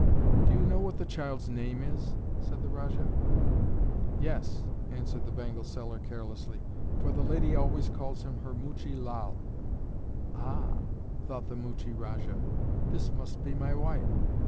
"Do you know what the child's name is?" said the Rajah. "Yes," answered the bangle seller carelessly, "for the lady always calls him her Muchie Lal." "Ah," thought the Muchie Rajah, "this must be my wife."